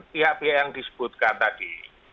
pihak pihak yang disebutkan tadi